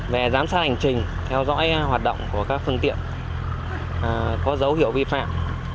về giám sát hành trình theo dõi hoạt động của các phương tiện có dấu hiệu vi phạm